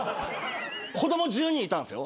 子供１０人いたんすよ？